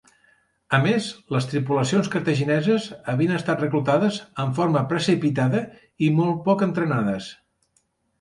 A més, les tripulacions cartagineses havien estat reclutades en forma precipitada i molt poc entrenades.